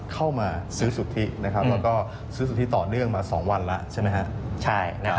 เข้ามาซื้อสุทธินะครับแล้วก็ซื้อสุทธิต่อเนื่องมา๒วันแล้วใช่ไหมครับ